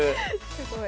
すごい。